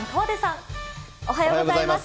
おはようございます。